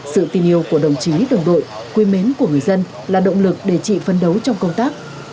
sự tình yêu của đồng chí đồng đội quy mến của người dân là động lực để chị phân đấu trong công tác